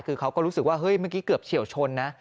คือเขาก็รู้สึกว่าเฮ้ยเมื่อกี้เกือบเฉียวชนนะ